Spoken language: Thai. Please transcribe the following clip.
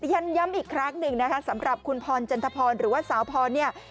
ย้ำอีกครั้งหนึ่งนะคะสำหรับคุณพรจันทพรหรือว่าสาวพรเนี่ย